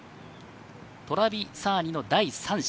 トラビサーニの第３射。